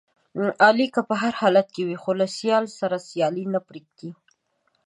علي که په هر حالت وي، خو له سیال سره سیالي نه پرېږدي.